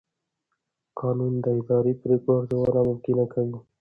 قانون د اداري پرېکړو ارزونه ممکن کوي.